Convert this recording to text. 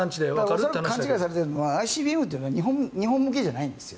恐らく勘違いされているのはＩＣＢＭというのは日本向けじゃないんですよ。